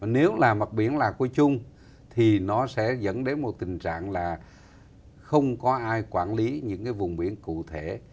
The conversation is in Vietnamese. nếu là mặt biển lạc coi chung thì nó sẽ dẫn đến một tình trạng là không có ai quản lý những cái vùng biển cụ thể